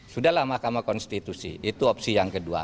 sudahlah mahkamah konstitusi itu opsi yang kedua